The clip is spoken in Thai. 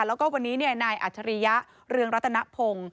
แล้วก็วันนี้นายอัจฉริยะเรืองรัตนพงศ์